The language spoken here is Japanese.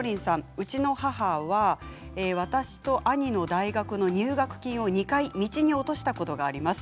うちの母は私と兄の大学の入学金を２回道に落としたことがあります。